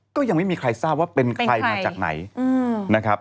ก็ยังไม่มีใครทราบว่าเป็นใครมาจากไหนนะครับ